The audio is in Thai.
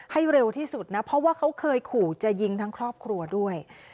ให้เร็วที่สุดนะเพราะว่าเขาเคยขู่จะยิงทั้งครอบครัวด้วย